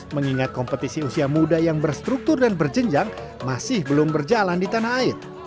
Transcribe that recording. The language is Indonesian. mengingat kompetisi usia muda yang berstruktur dan berjenjang masih belum berjalan di tanah air